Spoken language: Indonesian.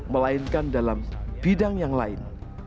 melainkan dalam bidang yang lain